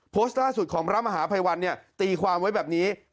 โพสต์ล่าสุดของพระมหาภัยวัลตีความไว้แบบนี้คือ